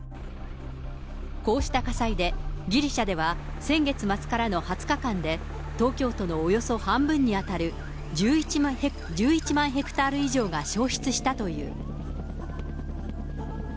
こうした火災で、ギリシャでは先月末からの２０日間で、東京都のおよそ半分に当たる１１万ヘクタール以上が焼失したという。